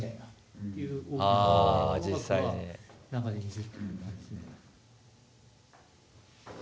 ああ実際に。